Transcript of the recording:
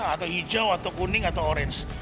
atau hijau atau kuning atau orange